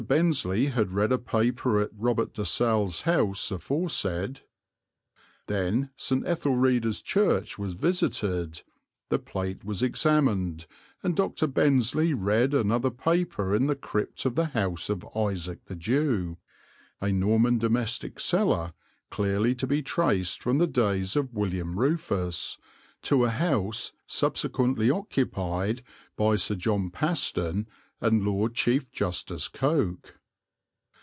Bensly had read a paper at Robert de Salle's house aforesaid. Then St. Etheldreda's Church was visited, the plate was examined, and Dr. Bensly read another paper in the crypt of the House of Isaac the Jew, a Norman domestic cellar, clearly to be traced from the days of William Rufus, to a house subsequently occupied by Sir John Paston and Lord Chief Justice Coke.